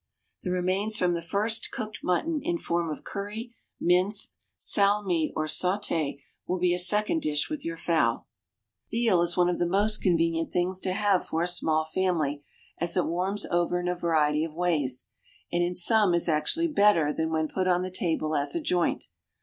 The remains from the first cooked mutton, in form of curry, mince, salmi, or sauté, will be a second dish with your fowl. Veal is one of the most convenient things to have for a small family, as it warms over in a variety of ways, and in some is actually better than when put on the table as a joint.